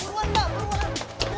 beruan dong beruan